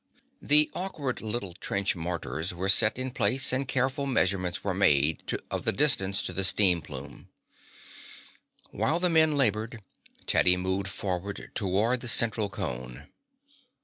The awkward little trench mortars were set in place and careful measurements made of the distance to the steam plume. While the men labored, Teddy moved forward toward the central cone.